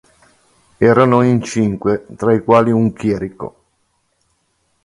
Erano in cinque tra i quali un chierico.